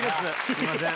すいません。